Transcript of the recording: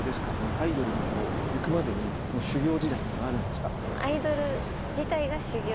アイドルに行くまでに修行時代っていうのはあるんですか？